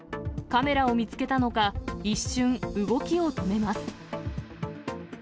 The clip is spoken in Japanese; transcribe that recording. カメラを見つけたのか、一瞬、動きを止めます。